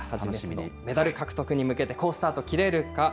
メダル獲得に向けて好スタートを切れるか。